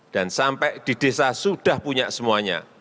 dan sampai di desa sudah punya semuanya